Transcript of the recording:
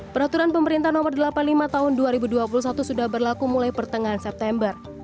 peraturan pemerintah nomor delapan puluh lima tahun dua ribu dua puluh satu sudah berlaku mulai pertengahan september